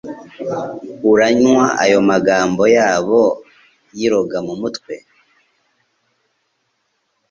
Uranywa ayo magambo yabo yi roga mu mutwe